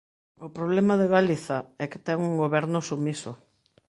O problema de Galiza é que ten un Goberno submiso.